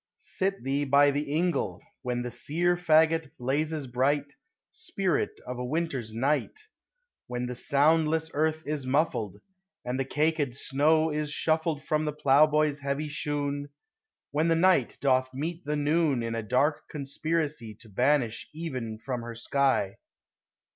Sit thee by the ingle, when The sear fagot blazes bright, Spirit of a winter's night; 10 POEMS OF FANCY. When the soundless earth is muffled, And the caked snow is shuffled From the ploughboy's heavy shoon ; When the Night doth meet the Noon In a dark conspiracy To banish Even from her sky.